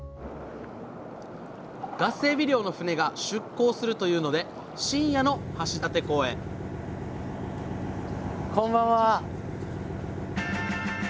ガスエビ漁の船が出航するというので深夜の橋立港へこんばんは。